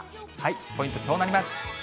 ポイント、こうなります。